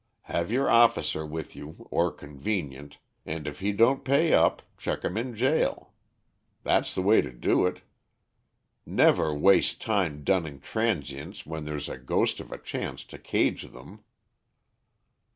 Have your officer with you or convenient, and if he don't pay up, chuck him in jail. That's the way to do it. Never waste time dunning 'transients' when there's a ghost of a chance to cage them."